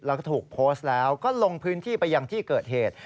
แล้วก็ถูกโพสต์แล้วก็ลงพื้นที่ไปยังที่เกิดเหตุ